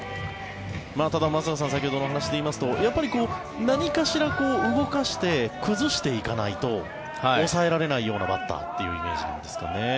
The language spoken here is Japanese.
ただ、松坂さん先ほどの話でいいますと何かしら動かして崩していかないと抑えられないようなバッターというイメージなんですかね。